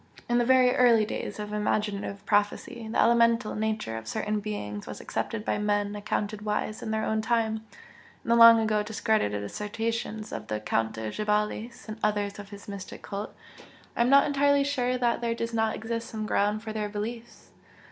In the very early days of imaginative prophecy, the 'elemental' nature of certain beings was accepted by men accounted wise in their own time, in the long ago discredited assertions of the Count de Gabalis and others of his mystic cult, and I am not entirely sure that there does not exist some ground for their beliefs.